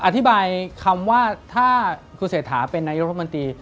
อธิบายคำว่าถ้าครูเสถาเป็นนายุทธมตรี